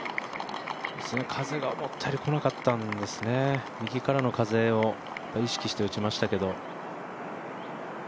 風が思ったより来なかったんですね、右からの風を意識して打ちましたけど。